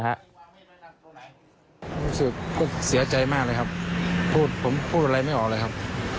รู้สึกก็เสียใจมากเลยครับพูดผมพูดอะไรไม่ออกเลยครับ